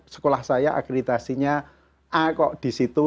sekolah saya akreditasinya a kok disitu